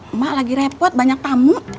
emak lagi repot banyak tamu